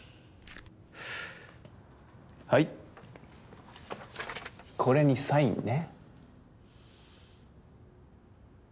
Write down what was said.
はいこれにサインね